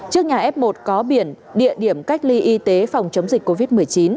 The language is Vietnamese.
trước nhà f một có biển địa điểm cách ly y tế phòng chống dịch covid một mươi chín